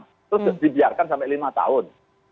itu dibiarkan sampai lima tahun